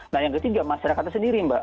nah yang ketiga masyarakatnya sendiri mbak